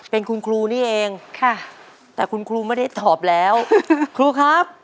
เป็นคุณครูนี่เองค่ะแต่คุณครูไม่ได้ตอบแล้วครูครับ